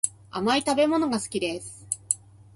甘い食べ物が好きです